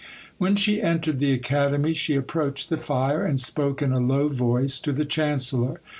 When she entered the Academy she approached the fire, and spoke in a low voice to the chancellor.